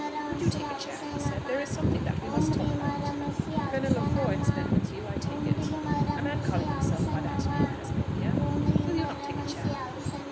"Would you take a chair?" he said; "there is something that we must talk about." "Colonel Lefroy has been with you, I take it." "A man calling himself by that name has been here. Will you not take a chair?"